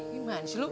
gimana sih lu